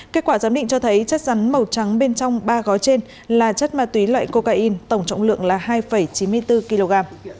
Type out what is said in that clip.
kết quả giám định cho thấy chất rắn màu trắng bên trong ba gói trên là chất ma túy loại cocaine tổng trọng lượng là hai chín mươi bốn kg